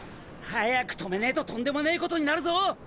早く止めねえととんでもねえことになるぞ！